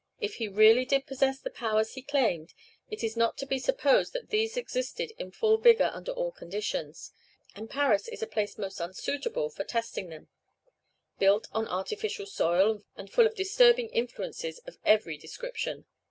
If he really did possess the powers he claimed, it is not to be supposed that these existed in full vigor under all conditions; and Paris is a place most unsuitable for testing them, built on artificial soil, and full of disturbing influences of every description.